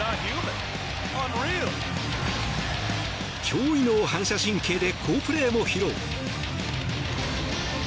驚異の反射神経で好プレーも披露。